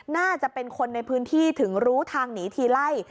น่าจะเป็นคนในพื้นที่ถึงรู้ทางหนีทีไล่